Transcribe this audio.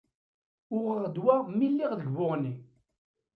Uɣeɣ-d wa mi lliɣ deg Buɣni.